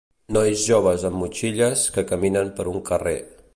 Nois joves amb motxilles que caminen per un carrer